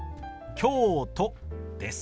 「京都」です。